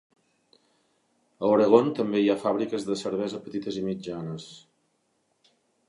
A Oregon també hi ha fàbriques de cervesa petites i mitjanes.